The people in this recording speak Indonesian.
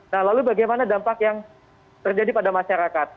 nah lalu bagaimana dampak yang terjadi pada masyarakat